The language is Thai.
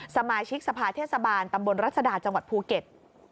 สมาชิกสภาเทศบาลตำบลรัศดาจังหวัดภูเก็ต